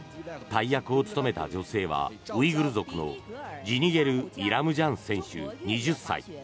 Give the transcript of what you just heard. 大役を務めた女性はウイグル族のジニゲル・イラムジャン選手２０歳。